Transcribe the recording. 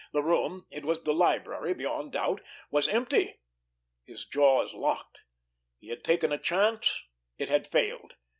The room—it was the library beyond doubt—was empty. His jaws locked. He had taken a chance. It had failed.